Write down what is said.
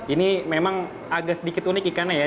ini memang agak sedikit unik ikannya ya